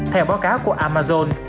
theo báo cáo của amazon